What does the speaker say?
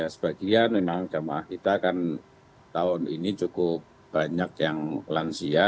sebagian memang jemaah kita kan tahun ini cukup banyak yang lansia